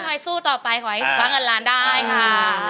คอยสู้ต่อไปคอยวางเงินล้านได้ค่ะ